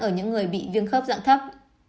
ở những người bị viêm khớp dạng thấp